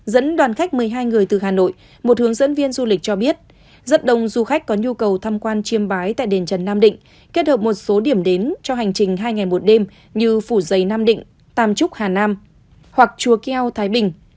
dẫn đoàn khách một mươi hai người từ hà nội một hướng dẫn viên du lịch cho biết rất đông du khách có nhu cầu tham quan chiêm bái tại đền trần nam định kết hợp một số điểm đến cho hành trình hai ngày một đêm như phủ giày nam định tam trúc hà nam hoặc chùa keo thái bình